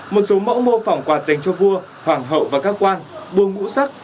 một số mẫu mô phỏng quạt dành cho vua hoàng hậu và các quan buông mũ sắc